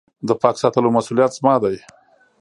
د پاک ساتلو مسولیت زما دی .